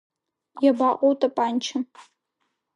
Иабаҟоу утапанча?